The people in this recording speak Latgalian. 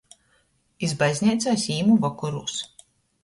Iz bazneicu es īmu vokorūs.